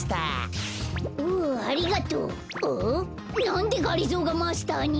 なんでがりぞーがマスターに？